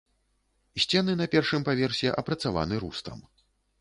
Сцены на першым паверсе апрацаваны рустам.